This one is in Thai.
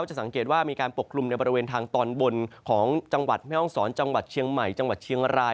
จะสังเกตว่ามีการปกคลุมในบริเวณทางตอนบนของจังหวัดแม่ห้องศรจังหวัดเชียงใหม่จังหวัดเชียงราย